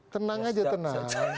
tenang aja tenang